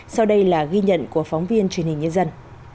sau đây là ghi nhận của phóng viên truyền hình nhân dân